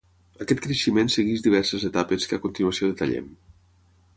Aquest creixement segueix diverses etapes que a continuació detallem.